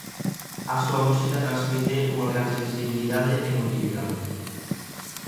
A súa música transmite unha gran sensibilidade e emotividade.